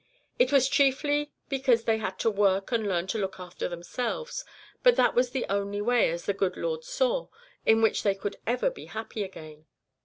That was chiefly because they had to work and learn to look after themselves; but that was the only way, as the good Lord God saw, in which they could ever be happy again.